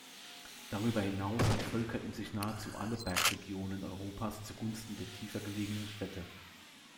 Darüber hinaus entvölkerten sich nahezu alle Bergregionen Europas zugunsten der tiefer gelegenen Städte.